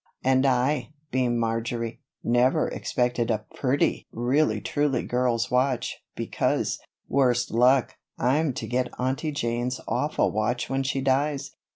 "And I," beamed Marjory, "never expected a pretty, really truly girl's watch, because worse luck I'm to get Aunty Jane's awful watch when she dies.